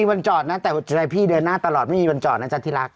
แต่จะได้พี่เดินหน้าตลอดไม่มีวันจอดนะจ๊ะที่รัก